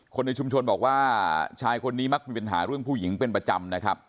ในชุมชนบอกว่าชายคนนี้มักมีปัญหาเรื่องผู้หญิงเป็นประจำนะครับ